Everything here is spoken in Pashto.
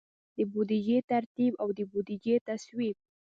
د بودیجې ترتیب او د بودیجې تصویب.